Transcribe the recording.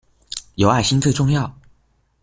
有愛心最重要